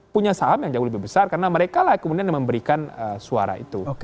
punya saham yang jauh lebih besar karena mereka lah kemudian yang memberikan suara itu